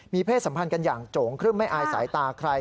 เพศสัมพันธ์กันอย่างโจ๋งครึ่มไม่อายสายตาใคร